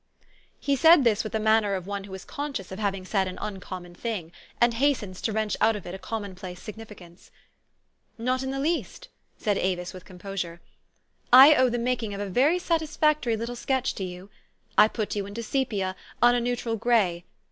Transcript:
_He said this with the manner of one who is con scious of having said an uncommon thing, and has tens to wrench out of it a common place signifi cance. " Not in the least," said Avis with composure. " I owe the making of a very satisfactory little 88 THE STORY OF AVIS. sketch to you. I put you into sepia, on a neutral gray.